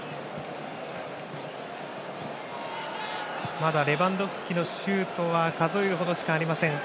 まだレバンドフスキのシュートは数えるほどしかありません。